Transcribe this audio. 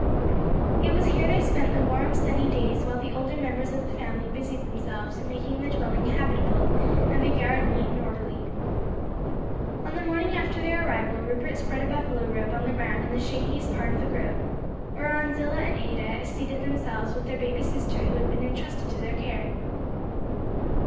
It was here they spent the warm, sunny days while the older members of the family busied themselves in making the dwelling habitable and the yard neat and orderly. On the morning after their arrival Rupert spread a buffalo robe on the ground in the shadiest part of the grove, whereon Zillah and Ada seated themselves with their baby sister who had been entrusted to their care.